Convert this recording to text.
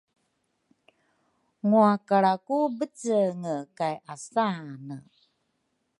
Ngwakalra ku becenge kayasane